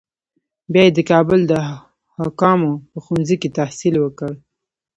بیا یې د کابل د حکامو په ښوونځي کې تحصیل وکړ.